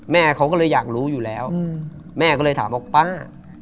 แม่เขาก็เลยอยากรู้อยู่แล้วแม่ก็เลยถามว่าป้า